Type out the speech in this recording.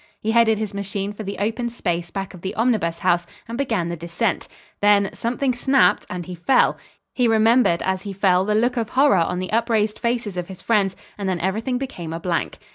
He headed his machine for the open space back of the Omnibus House, and began the descent. Then, something snapped, and he fell. He remembered as he fell the look of horror on the up raised faces of his friends, and then everything became a blank.